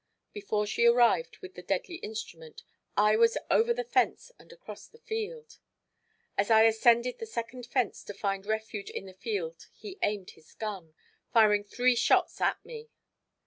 Before she arrived with the deadly instrument I was over one fence and across the street. As I ascended the second fence to find refuge in the field he aimed his gun, firing three shots at me.